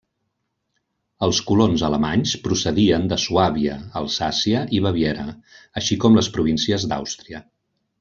Els colons alemanys procedien de Suàbia, Alsàcia i Baviera, així com les províncies d'Àustria.